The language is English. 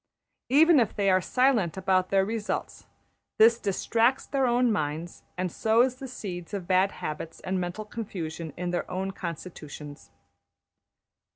Even if they are silent about their results, this distracts their own minds, and sows the seeds of bad habits and mental confusion in their own constitutions.